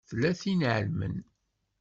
Tella tin i ɛelmen.